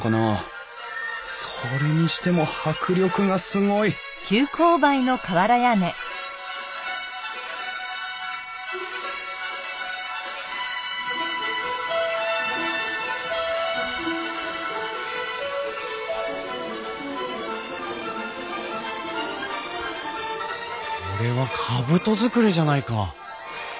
それにしても迫力がすごいこれは兜造りじゃないか！